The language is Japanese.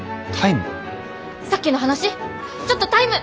さっきの話ちょっとタイム！